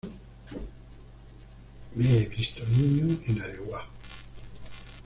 Me he visto niño en Areguá.